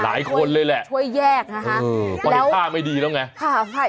หลายคนเลยแหละไปเผ่าไว้ท่าไม่ดีละไง